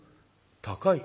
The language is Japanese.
「高い？